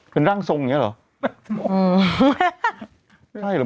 เป็นร่างทรงอย่างนี้เหรอ